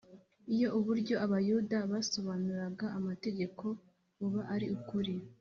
. Iyo uburyo Abayuda basobanuraga amategeko buba ari ukuri,